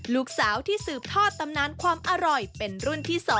ลูกสาวที่สืบทอดตำนานความอร่อยเป็นรุ่นที่๒